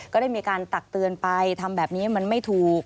ก็ได้มีการตักเตือนไปทำแบบนี้มันไม่ถูก